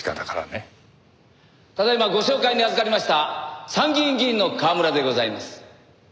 ただ今ご紹介にあずかりました参議院議員の川村でございます。